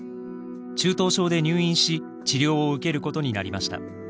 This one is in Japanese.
中等症で入院し治療を受けることになりました。